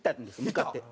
向かって。